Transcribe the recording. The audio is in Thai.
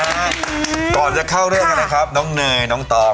นี่นะคะก่อนจะเข้าเรื่องนะฮะน้องเหนื่อยน้องตอม